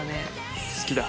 「好きだ」